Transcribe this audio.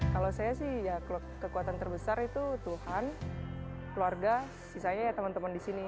kalau saya sih ya kekuatan terbesar itu tuhan keluarga sisanya ya teman teman di sini